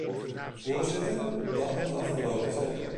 Voorzitter, dat moet afgelopen zijn.